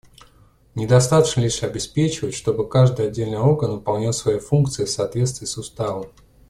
Недостаточно лишь обеспечивать, чтобы каждый отдельный орган выполнял свои функции в соответствии с Уставом.